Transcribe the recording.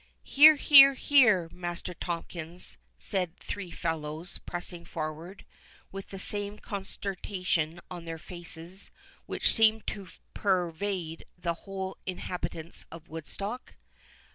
"Here—here—here, Master Tomkins," said three fellows, pressing forward, with the same consternation on their faces which seemed to pervade the whole inhabitants of Woodstock.